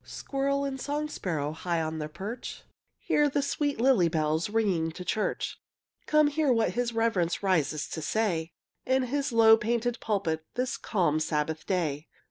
Squirrel and song sparrow, High on their perch, Hear the sweet lily bells Ringing to church. Come, hear what his reverence Rises to say, In his low painted pulpit This calm Sabbath day.